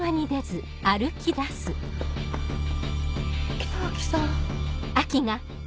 北脇さん。